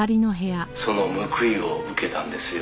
「その報いを受けたんですよ」